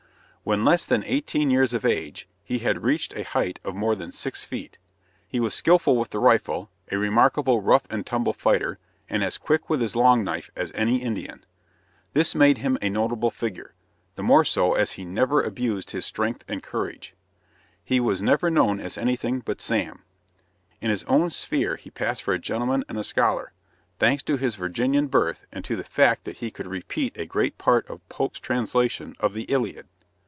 When less than eighteen years of age he had reached a height of more than six feet. He was skilful with the rifle, a remarkable rough and tumble fighter, and as quick with his long knife as any Indian. This made him a notable figure the more so as he never abused his strength and courage. He was never known as anything but "Sam." In his own sphere he passed for a gentleman and a scholar, thanks to his Virginian birth and to the fact that he could repeat a great part of Pope's translation of the "Iliad."